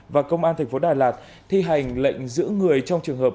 và công an tp đà lạt thi hành lệnh giữ người trong trường hợp